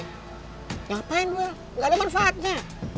ngapain gue gak ada manfaatnya